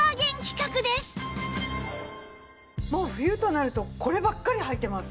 もう冬となるとこればっかりはいてます。